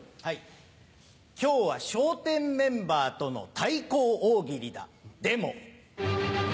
今日は笑点メンバーとの対抗大喜利だでも！